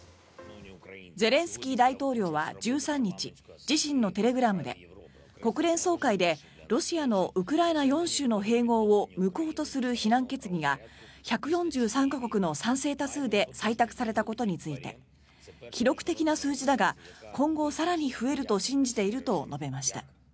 ゼレンスキー大統領は１３日自身のテレグラムで国連総会でロシアのウクライナ４州の併合を無効とする非難決議が１４３か国の賛成多数で採択されたことについて記録的な数字だが今後、更に増える信じていると述べました。